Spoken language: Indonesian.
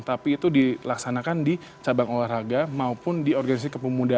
tapi itu dilaksanakan di cabang olahraga maupun di organisasi kepemudaan